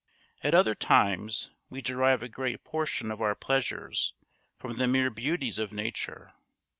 At other times we derive a great portion of our pleasures from the mere beauties of nature.